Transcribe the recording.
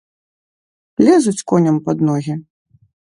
Лезуць коням пад ногі.